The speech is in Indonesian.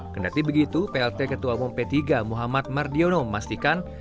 kendati begitu plt ketua umum p tiga muhammad mardiono memastikan